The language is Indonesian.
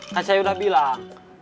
kan saya udah bilang